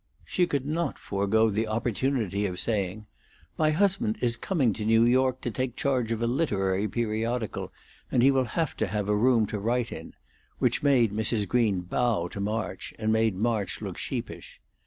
She could not forego the opportunity of saying, "My husband is coming to New York to take charge of a literary periodical, and he will have to have a room to write in," which made Mrs. Green bow to March, and made March look sheepish.